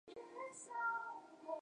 阿敏的六弟是济尔哈朗。